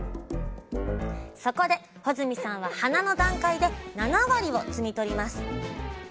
そこで穂積さんは花の段階で７割を摘み取ります。